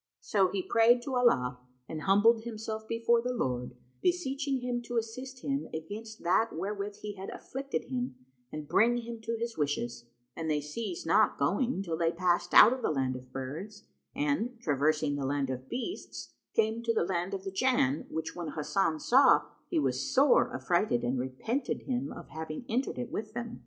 So he prayed to Allah and humbled himself before the Lord, beseeching Him to assist him against that wherewith He had afflicted him and bring him to his wishes; and they ceased not going till they passed out of the Land of Birds and, traversing the Land of Beasts, came to the Land of the Jann which when Hasan saw, he was sore affrighted and repented him of having entered it with them.